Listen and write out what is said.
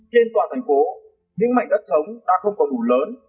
trên toàn thành phố những mảnh đất trống đã không còn đủ lớn